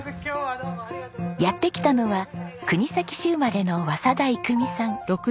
やって来たのは国東市生まれの稙田生美さん。